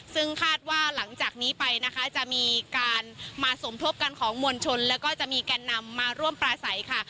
ซึ่งคาดว่าหลังจากนี้ไปนะคะจะมีการมาสมทบกันของมวลชนแล้วก็จะมีแก่นนำมาร่วมปลาใสค่ะ